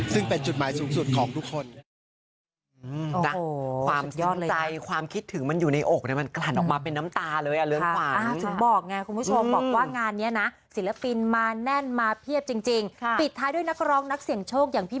ซึ่งเป็นจุดหมายสูงสุดของทุกคน